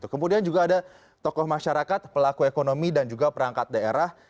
kemudian juga ada tokoh masyarakat pelaku ekonomi dan juga perangkat daerah